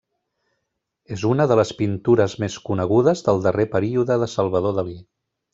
És una de les pintures més conegudes del darrer període de Salvador Dalí.